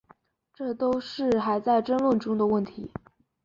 这都是还在争论中的问题。